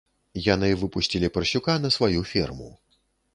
Яны выпусцілі парсюка на сваю ферму.